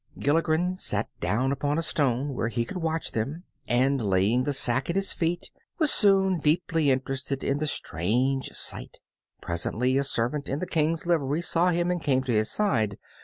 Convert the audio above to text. Gilligren sat down upon a stone where he could watch them, and laying the sack at his feet was soon deeply interested in the strange sight. Presently a servant in the King's livery saw him and came to his side.